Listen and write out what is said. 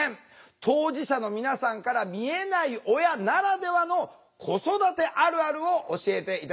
当事者の皆さんから見えない親ならではの子育てあるあるを教えて頂きたいと思います。